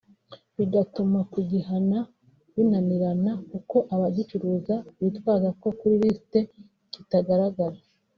bigatuma kugihana binanirana kuko abagicuruza bitwaza ko kuri lisiti kitagaragara